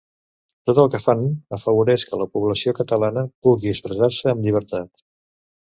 Tot el que fan afavoreix que la població catalana pugui expressar-se amb llibertat.